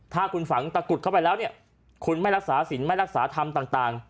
ถ้าคุณฝังตะกุดเข้าไปแล้วเนี่ยคุณไม่รักษาสินไม่รักษาธรรมต่าง